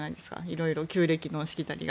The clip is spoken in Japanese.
色々、旧暦のしきたりが。